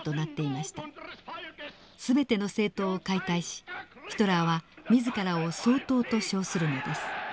全ての政党を解体しヒトラーは自らを総統と称するのです。